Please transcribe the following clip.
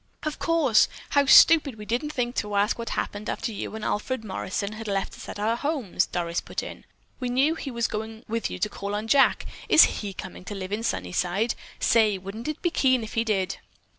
"Of course! How stupid we didn't think to ask what happened after you and Alfred Morrison had left us at our homes," Doris put in. "We knew he was going with you to call on Jack. Is he coming to live in Sunnyside? Say, wouldn't it be keen if he did?"